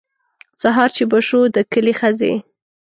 سهار چې به شو د کلي ښځې.